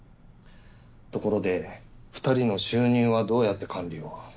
ところで２人の収入はどうやって管理を？